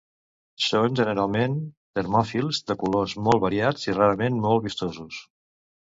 Són generalment termòfils, de colors molt variats i rarament molt vistosos.